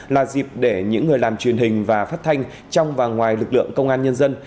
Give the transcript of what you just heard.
là dịp để những người làm truyền hình và phát thanh trong và ngoài lực lượng công an nhân dân